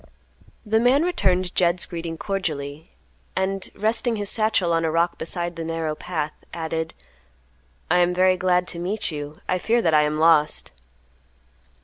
The man returned Jed's greeting cordially, and, resting his satchel on a rock beside the narrow path, added, "I am very glad to meet you. I fear that I am lost."